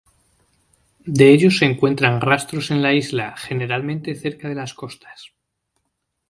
De ello se encuentran rastros en la isla, generalmente cerca de las costas.